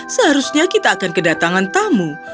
seharusnya kita akan kedatangan tamu